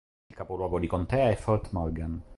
Il capoluogo di contea è Fort Morgan.